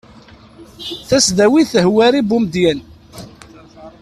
tasdawit hwari bumedyen